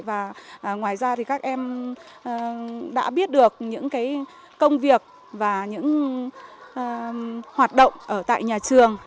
và ngoài ra thì các em đã biết được những công việc và những hoạt động ở tại nhà trường